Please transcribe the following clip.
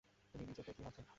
তুমি নিজেকে কী ভাবছ?